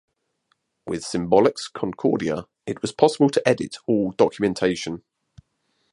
With Symbolics Concordia it was possible to edit all documentation.